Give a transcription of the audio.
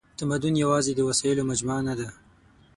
تمدن یواځې د وسایلو مجموعه نهده.